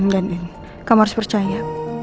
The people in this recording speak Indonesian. dan ini kamu harus percaya